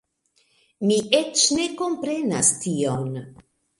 Mi eĉ ne komprenas tion